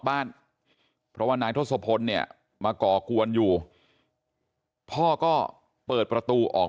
บ้านเพราะว่านายทศพลเนี่ยมาก่อกวนอยู่พ่อก็เปิดประตูออก